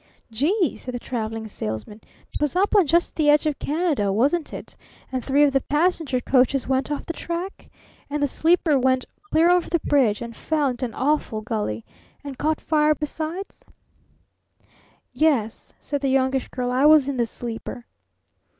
"Gee!" said the Traveling Salesman. "'Twas up on just the edge of Canada, wasn't it? And three of the passenger coaches went off the track? And the sleeper went clear over the bridge? And fell into an awful gully? And caught fire besides?" "Yes," said the Youngish Girl. "I was in the sleeper."